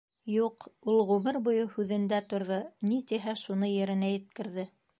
Юҡ, ул ғүмер буйы һүҙендә торҙо, ни тиһә, шуны еренә еткерҙе.